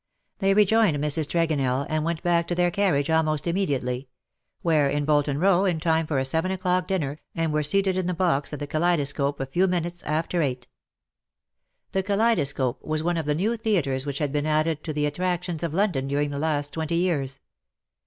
They rejoined Mrs. Tregonell, and went back to their carriage almost immediately — were in Bolton Bow in time for a seven o^clock dinner, and were seated in the box at the Kaleidoscope a few minutes after eight. The CUPID AND PSYCHE. 215 Kaleidoscope was one of the new theatres which have been added to the attractions of London during the last twenty years.